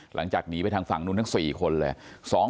หลังจากหนีไปทางฝั่งนู้นทั้ง๔คนเลย